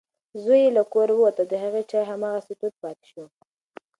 زوی یې له کوره ووت او د هغې چای هماغسې تود پاتې شو.